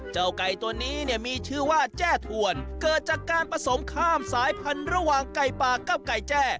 ไก่ตัวนี้เนี่ยมีชื่อว่าแจ้ถวนเกิดจากการผสมข้ามสายพันธุ์ระหว่างไก่ป่ากับไก่แจ้